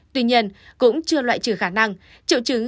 tuy nhiên cũng chưa loại trừ khả năng